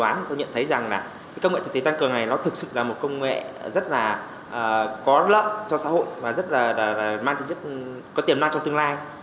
sau nghiên cứu hoàn thành đoán tôi nhận thấy rằng công nghệ thực tế tăng cường này thực sự là một công nghệ rất là có lợi cho xã hội và có tiềm năng trong tương lai